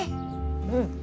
うん。